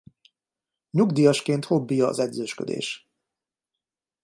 Nyugdíjasként hobbija az edzősködés.